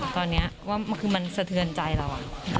ตอนนี้ว่าคือมันสะเทือนใจเรา